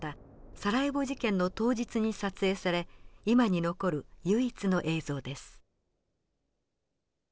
サラエボ事件の当日に撮影され今に残る唯一の映像です。